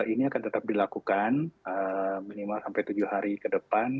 ini akan tetap dilakukan minimal sampai tujuh hari ke depan